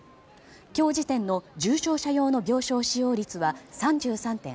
今日時点の重症者用の病床使用率は３３．８％。